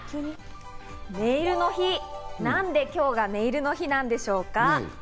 ネイルの日、なんで今日がネイルの日なんでしょうか？